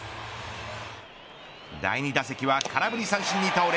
第２打席は空振り三振に倒れ